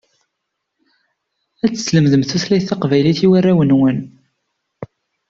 Ad teslemdem tutlayt taqbaylit i warraw-inwen.